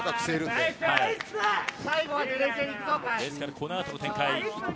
ですから、このあとの展開